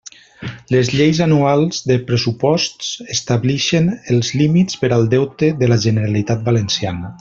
Les lleis anuals de pressuposts establixen els límits per al Deute de la Generalitat Valenciana.